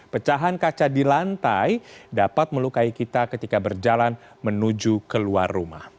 pecahan kaca di lantai dapat melukai kita ketika berjalan menuju keluar rumah